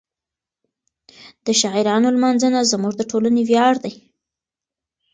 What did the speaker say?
د شاعرانو لمانځنه زموږ د ټولنې ویاړ دی.